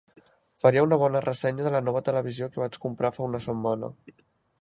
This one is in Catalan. Faria una bona ressenya de la nova televisió que vaig comprar fa una setmana.